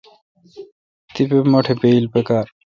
تپہ مٹھ بایل پکار۔